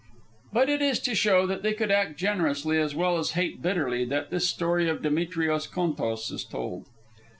But it is to show that they could act generously as well as hate bitterly that this story of Demetrios Contos is told.